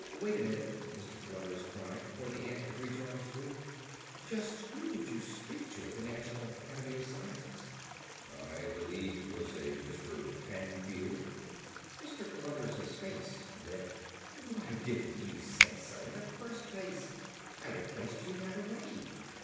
"Oh, wait a minute," Mr. Cruthers cried before the ant could rejoin his group. "Just who did you speak to at the National Academy of Sciences?" "I believe it was a Mr. Canfield." Mr. Cruthers' face lit up. "Well, why didn't you say so in the first place! I'd have placed you right away."